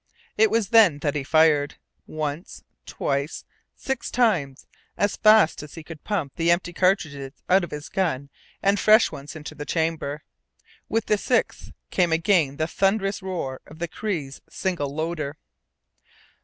It was then that he fired. Once, twice six times, as fast as he could pump the empty cartridges out of his gun and fresh ones into the chamber. With the sixth came again the thunderous roar of the Cree's single loader.